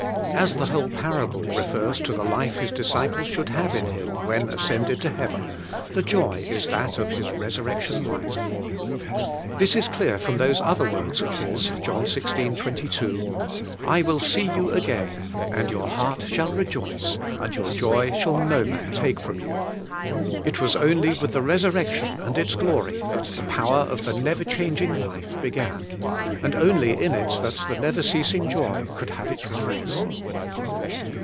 As the whole parable refers to the life His disciples should have in Him when ascended to heav en, the joy is that of His resurrection life. This is clear from those other words of His (John xvi. 22): 'I will see you again, and your heart shall rejoice, and your joy shall no man take from you.' It was only with the resurrection and its glory that the power of the never changing life began, and only in it that the never ceasing joy could have its rise.